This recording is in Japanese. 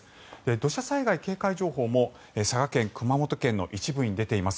土砂災害警戒情報も佐賀県、熊本県の一部に出ています。